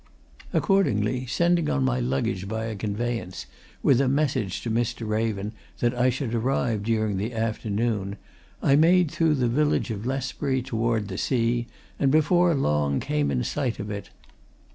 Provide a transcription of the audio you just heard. Accordingly, sending on my luggage by a conveyance, with a message to Mr. Raven that I should arrive during the afternoon, I made through the village of Lesbury toward the sea, and before long came in sight of it